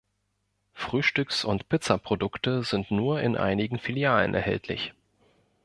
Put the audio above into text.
Frühstücks- und Pizzaprodukte sind nur in einigen Filialen erhältlich.